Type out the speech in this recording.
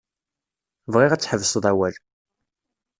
Bɣiɣ ad tḥebsed awal.